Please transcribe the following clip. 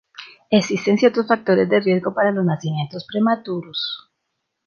Existen ciertos factores de riesgo para los nacimientos prematuros.